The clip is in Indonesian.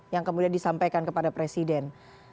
yang kemudian disampaikan kepada presiden